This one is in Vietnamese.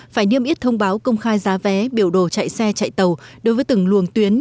phải niêm yết thông báo công khai giá vé biểu đồ chạy xe chạy tàu đối với từng luồng tuyến